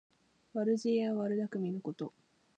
悪知恵や悪だくみのこと。